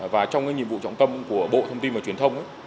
và trong cái nhiệm vụ trọng tâm của bộ thông tin và truyền thông